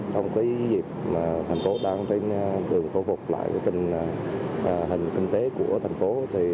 trong cái dịp thành phố đang đường khổ phục lại hình kinh tế của thành phố